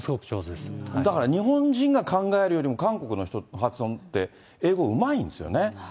だから日本人が考えるよりも、韓国の人の発音って、英語うまいんですよね。